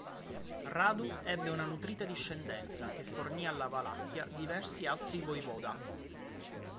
Radu ebbe una nutrita discendenza che fornì alla Valacchia diversi altri voivoda.